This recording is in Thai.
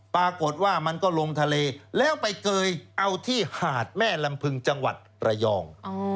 ปรากฏว่ามันก็ลงทะเลแล้วไปเกยเอาที่หาดแม่ลำพึงจังหวัดระยอง